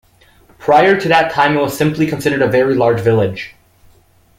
Prior to that time it was simply considered a very large village.